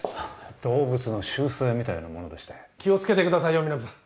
動物の習性みたいなものでして気をつけてくださいよ皆実さん